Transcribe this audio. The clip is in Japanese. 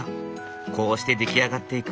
こうして出来上がっていく。